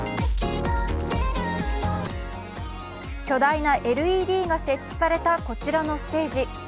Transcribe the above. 巨大なＬＥＤが設置されたこちらのステージ。